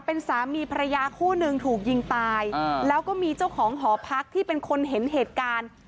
เป็นสามีภรรยาคู่หนึ่งถูกยิงตายแล้วก็มีเจ้าของหอพักที่เป็นคนเห็นเหตุการณ์